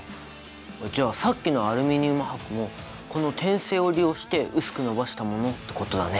じゃあさっきのアルミニウム箔もこの展性を利用して薄く延ばしたものってことだね。